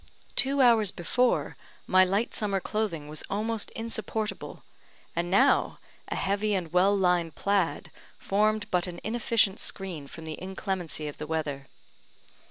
Two hours before, my light summer clothing was almost insupportable, and now a heavy and well lined plaid formed but an inefficient screen from the inclemency of the weather.